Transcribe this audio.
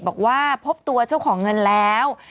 บอกว่าพบตัวเจ้าของเงินแล้ว